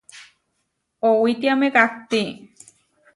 Owítiame kahtí.